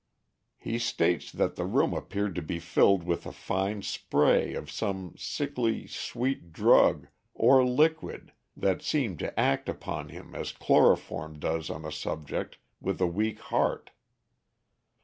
"'He states that the room appeared to be filled with a fine spray of some sickly, sweet drug or liquid that seemed to act upon him as chloroform does on a subject with a weak heart.